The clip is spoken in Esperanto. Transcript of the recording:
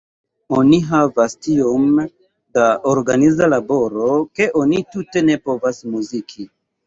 Oni havas tiom da organiza laboro, ke oni tute ne povas muziki.